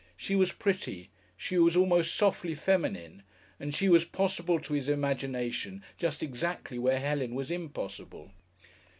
She was pretty, she was almost softly feminine, and she was possible to his imagination just exactly where Helen was impossible.